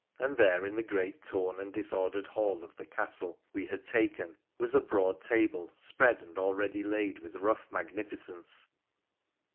— and there in the great torn and disordered hall of the castle we had taken was a broad table spread and already laid with rough magnificence.